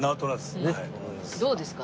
どうですか？